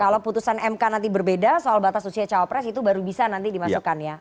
kalau putusan mk nanti berbeda soal batas usia cawapres itu baru bisa nanti dimasukkan ya